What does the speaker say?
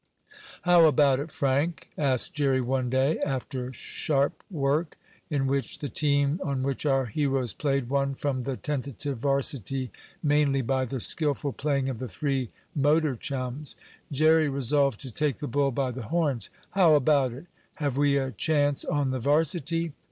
"How about it, Frank?" asked Jerry one day, after sharp work, in which the team on which our heroes played won from the tentative varsity, mainly by the skillful playing of the three motor chums. Jerry resolved to take the bull by the horns. "How about it? Have we a chance on the varsity?"